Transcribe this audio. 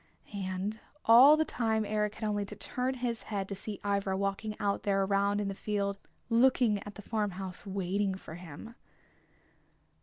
And all the time Eric had only to turn his head to see Ivra walking out there around in the field, looking at the farm house, waiting for him.